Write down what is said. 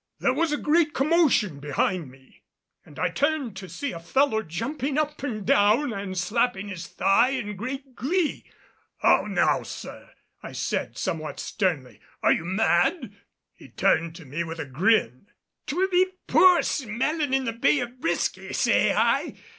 There was a great commotion behind me, and I turned to see a fellow jumping up and down and slapping his thigh in great glee. "How now, sir," I said, somewhat sternly, "are you mad?" He turned to me with a grin. "'Twill be poor smellin' in the Bay o' Bisky, say I.